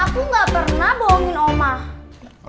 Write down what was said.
aku gak pernah bohongin omah